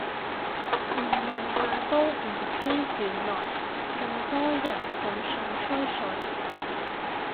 唔問下都唔知原來咁多人咁想吹水